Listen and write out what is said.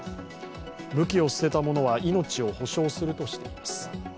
武器を捨てた者は命を保証するとしています。